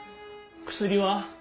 薬は？